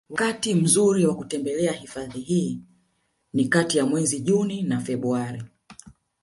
Wakati mzuri wa kutembelea hifadhi hii ni kati ya mwezi Juni na Februari